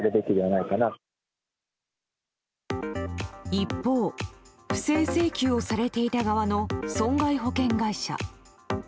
一方、不正請求をされていた側の損害保険会社。